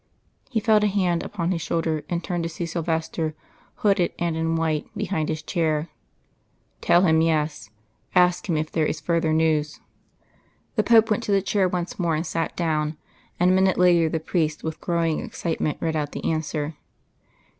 '" He felt a hand upon his shoulder, and turned to see Silvester, hooded and in white, behind his chair. "Tell him yes. Ask him if there is further news." The Pope went to the chair once more and sat down, and a minute later the priest, with growing excitement, read out the answer.